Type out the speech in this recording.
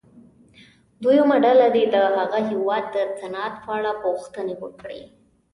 دویمه ډله دې د هغه هېواد د صنعت په اړه پوښتنې وکړي.